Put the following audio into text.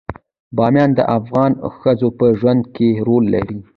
بامیان د افغان ښځو په ژوند کې رول لري.